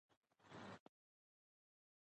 سر ممیز په لمر کې وچیږي.